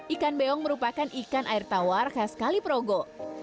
ikan beong merupakan ikan air tawar khas kaliprogo